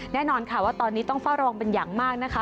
แน่นอนค่ะว่าตอนนี้ต้องเฝ้าระวังเป็นอย่างมากนะคะ